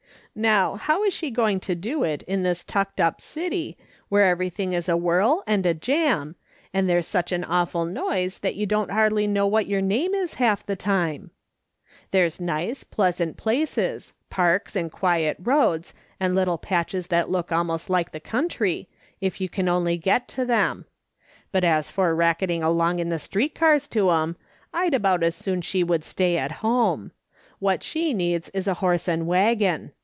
Xow, how is she going to do it in this tucked up city, where everything is a whirl and a jam, and there's such an awful noise that you don't hardly know what your name is half the time ?" There's nice, pleasant places, parks, and quiet roads, and little patches that look almost like the country, if you can only get to them ; but as for i*acketing along in the street cars to 'em, I'd about as soon she would stay at home. What she needs is a horse and waggon.